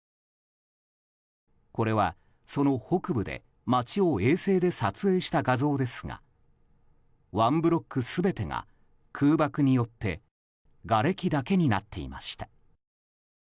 これは、その北部で街を衛星で撮影した画像ですがワンブロック全てが空爆によってがれきだけになっていました。